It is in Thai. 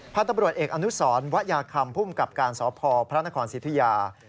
พระตำรวจเอกอนุสรวัยาคำผู้มีกับการสอบพอพระนครสิทธุยา